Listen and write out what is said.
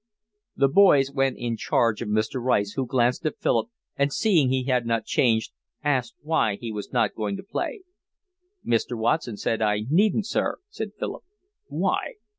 The boys went in charge of Mr. Rice, who glanced at Philip and seeing he had not changed, asked why he was not going to play. "Mr. Watson said I needn't, sir," said Philip. "Why?"